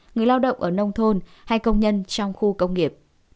người lao động ở nông thôn hay công nhân trong khu công nghiệp